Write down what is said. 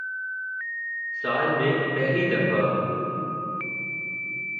سال میں پہلی دفع